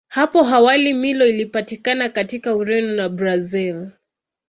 Hapo awali Milo ilipatikana katika Ureno na Brazili.